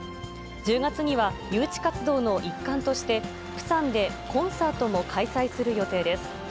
１０月には誘致活動の一環として、プサンでコンサートも開催する予定です。